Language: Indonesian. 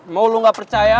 mau lo gak percaya